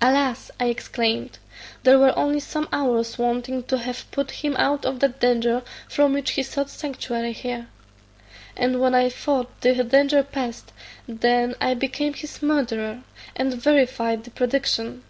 "Alas!" I exclaimed, "there were only some hours wanting to have put him out of that danger from which he sought sanctuary here; and when I thought the danger past, then I became his murderer, and verified the prediction.